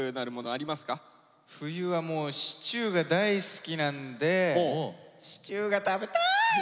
冬はもうシチューが大好きなんでシチューが食べたい！